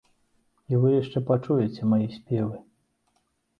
І вы яшчэ пачуеце мае спевы.